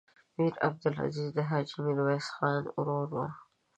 میر عبدالعزیز د حاجي میرویس خان ورور و.